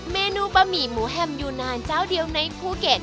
เมนูบะหมี่หมูแฮมยูนานเจ้าเดียวในภูเก็ต